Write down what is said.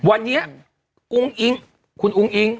วันเนี้ยอุงอิงคุณอุงอิง